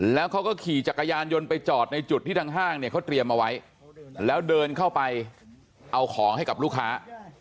แล้วเขาก็ขี่จักรยานยนต์ไปจอดในจุดที่ทางห้างเนี่ยเขาเตรียมเอาไว้แล้วเดินเข้าไปเอาของให้กับลูกค้า